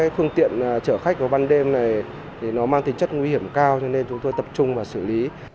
phương tiện chở khách vào ban đêm này mang tính chất nguy hiểm cao nên chúng tôi tập trung và xử lý